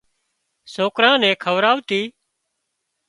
سوڪران نين کوَراَتي